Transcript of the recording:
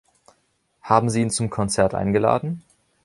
Haben Sie ihn zum Konzert eingeladen?